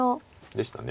でしたね。